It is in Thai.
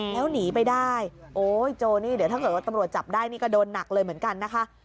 แล้วหนีไปได้โอ้ยโจนี่เดี๋ยวถ้าเกิดว่าตำรวจจับได้นี่ก็โดนหนักเลยเหมือนกันนะคะ